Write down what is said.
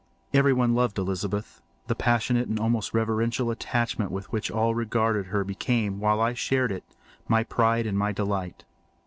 Everyone loved Elizabeth. The passionate and almost reverential attachment with which all regarded her became, while I shared it, my pride and my delight.